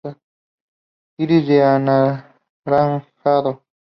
Iris de anaranjado.